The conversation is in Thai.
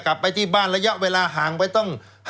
กลับไปที่บ้านระยะเวลาห่างไปตั้ง